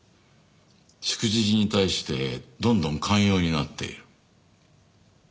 しくじりに対してどんどん寛容になっている。